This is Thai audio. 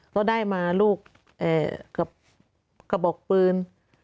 เขาได้มาลูกกระบอกปืน